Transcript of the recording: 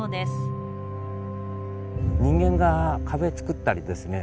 人間が壁作ったりですね